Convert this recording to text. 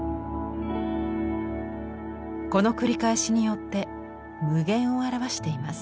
この繰り返しによって無限を表しています。